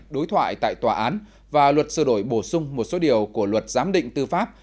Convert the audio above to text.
đối thoại tại tòa án và luật sửa đổi bổ sung một số điều của luật giám định tư pháp